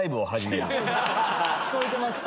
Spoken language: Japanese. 聞こえてました。